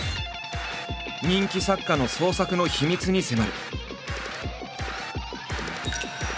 人気作家の創作の秘密に迫る。